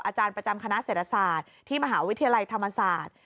อาจารย์ประจำคณะเศรษฐศาสตร์ที่มหาวิทยาลัยธรรมศาสตร์